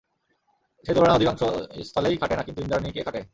সে তুলনা অধিকাংশ স্থলেই খাটে না, কিন্তু ইন্দ্রাণীকে খাটে।